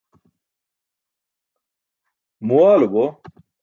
muwaalu bo